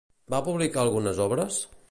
Va publicar algunes obres?